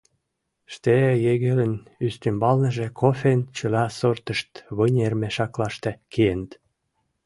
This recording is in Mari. Штеегерын ӱстембалныже кофен чыла сортышт вынер мешаклаште киеныт.